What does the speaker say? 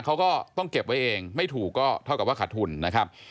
เขาก็ต้องเก็บไว้เองไม่ถูกก็เท่ากับว่าขาดทุนนะครับ